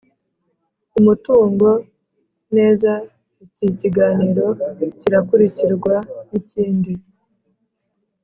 umutungo neza, iki kiganiro kirakurikirwa nikindi